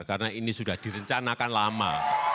karena ini sudah direncanakan lama